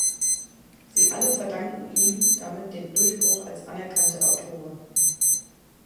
Sie alle verdanken ihm damit den Durchbruch als anerkannte Autoren.